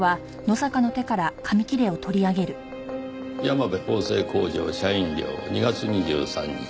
「山辺縫製工場社員寮２月２３日」